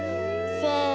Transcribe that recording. せの。